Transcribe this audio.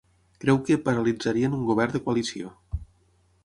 Creu que "paralitzarien un govern de coalició".